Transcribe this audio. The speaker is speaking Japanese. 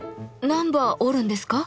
何羽折るんですか？